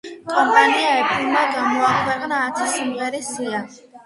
კომპანია „ეფლმა“ გამოაქვეყნა ათი სიმღერის სია.